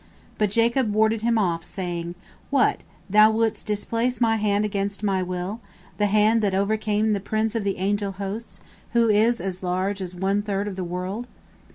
But Jacob warded him off, saying: "What, thou wouldst displace my hand against my will, the hand that overcame the prince of the angel hosts, who is as large as one third of the world!